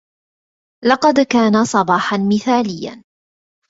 لقد كان صباحاً مثالياً.